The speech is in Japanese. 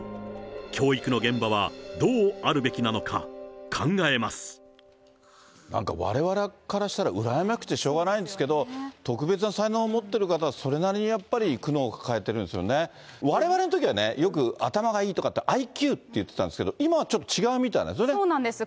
教育の現場は、なんかわれわれからしたら、羨ましくてしょうがないんですけど、特別な才能を持ってる方はそれなりにやっぱり苦悩を抱えてるんでわれわれのときはね、よく頭がいいとかって、ＩＱっていってたんですけれども、ちょっと違うみたいなんですよね。